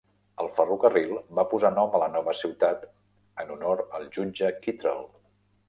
El ferrocarril va posar nom a la nova ciutat en honor al jutge Kittrell.